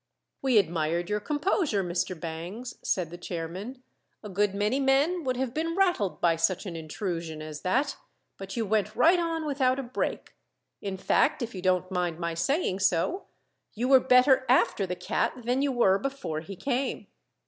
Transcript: "We admired your composure, Mr. Bangs," said the chairman. "A good many men would have been rattled by such an intrusion as that; but you went right on without a break. In fact, if you don't mind my saying so, you were better after the cat than you were before he came."